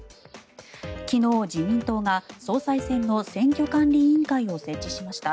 昨日、自民党が総裁選の選挙管理委員会を設置しました。